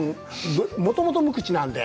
もともと無口なんで。